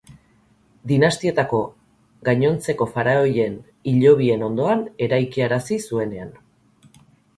Dinastietako gainontzeko faraoien hilobien ondoan eraikiarazi zuenean.